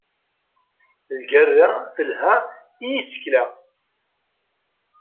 Lgerra telha i yisekla.